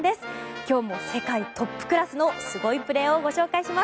今日も世界トップクラスのすごいプレーをお届けします。